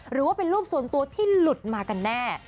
หรือว่าเป็นรูปส่วนตัวที่หลุดมากันแน่